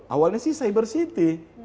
awalnya sih cyber city